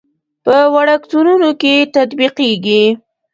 په وړکتونونو کې تطبیقېږي.